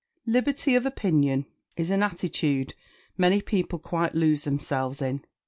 Liberty of opinion is an attitude many people quite lose themselves in.